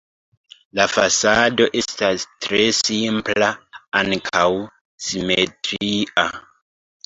La fasado estas tre simpla, ankaŭ simetria.